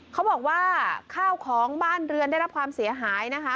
เขาบอกว่าข้าวของบ้านเรือนได้รับความเสียหายนะคะ